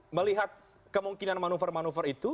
melihat kemungkinan manuver manuver itu